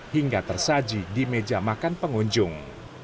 hingga tersaji di meja makan pengunjung